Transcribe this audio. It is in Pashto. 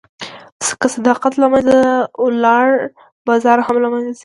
که صداقت له منځه لاړ، بازار هم له منځه ځي.